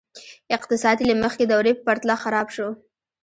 اقتصاد یې له مخکې دورې په پرتله خراب شو.